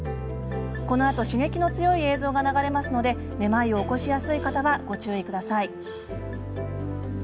このあと刺激の強い映像が流れますのでめまいを起こしやすい方はご注意ください。